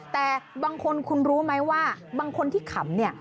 แต่บางคนคุณรู้ไหมว่าบางคนที่ขำเนี่ย